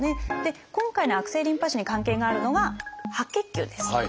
今回の悪性リンパ腫に関係があるのが白血球です。